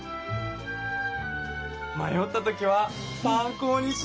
まよったときは参考にします。